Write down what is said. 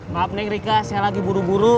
maaf nih rika saya lagi buru buru